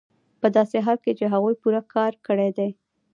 په داسې حال کې چې هغوی پوره کار کړی دی